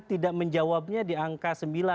tidak menjawabnya di angka